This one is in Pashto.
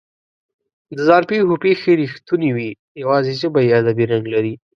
د ځان پېښو پېښې رښتونې وي، یواځې ژبه یې ادبي رنګ لري.